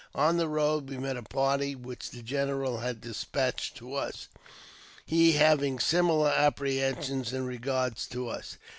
On the road we met a party which the general had despatched to us, he having similar apprehensions in regard to us.